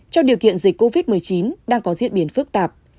trong điều kiện dịch covid một mươi chín đang có diễn biến phức tạp